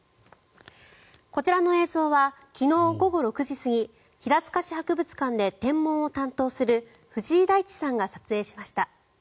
こちらの映像は昨日午後６時過ぎ平塚市博物館で天文を担当する藤井大地さんが撮影しました。